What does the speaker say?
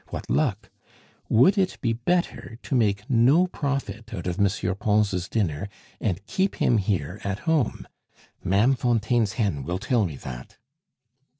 What luck! Would it be better to make no profit out of M. Pons' dinner and keep him here at home? Ma'am Fontaine's hen will tell me that."